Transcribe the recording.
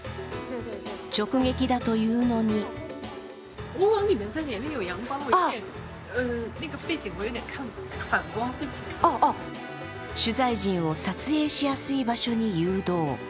直撃だというのに取材陣を撮影しやすい場所に誘導。